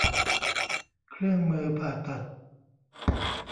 เครื่องมือผ่าตัด